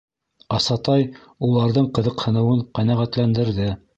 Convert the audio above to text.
Асатай уларҙың ҡыҙыҡһыныуын ҡәнәғәтләндерҙе.